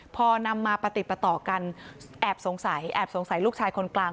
พอนำมาประติดประต่อกันแอบสงสัยแอบสงสัยลูกชายคนกลาง